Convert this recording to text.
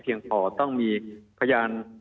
มีความรู้สึกว่ามีความรู้สึกว่า